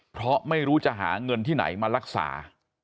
เพราะไม่รู้จะหาเงินที่ไหนมารักษา